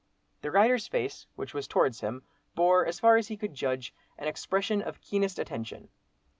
The rider's face, which was towards him, bore, as far as he could judge, an expression of keenest attention.